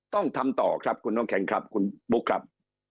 ต้องทำต่อครับคุณน้องแข็งครับคุณบุ๊คครับ